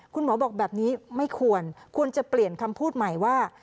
คุณหมอบอกแบบนี้ไม่ควรควรจะเปลี่ยนคำพูดใหม่ว่า